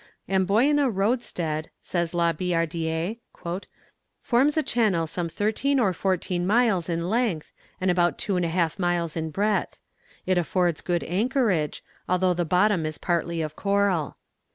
"Amboyna roadstead," says La Billardière, "forms a channel some thirteen or fourteen miles in length, and about two and a half miles in breadth. It affords good anchorage, although the bottom is partly of coral.